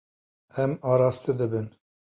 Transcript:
Em araste dibin.